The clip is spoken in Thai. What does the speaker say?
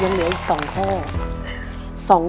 ยังเหมือนอีก๒ข้อ